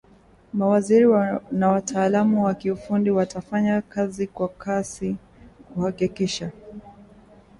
mawaziri na wataalamu wa kiufundi watafanya kazi kwa kasi kuhakikisha